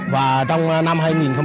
và trong năm hai nghìn một mươi tám